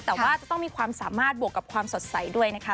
แต่ว่าจะต้องมีความสามารถบวกกับความสดใสด้วยนะคะ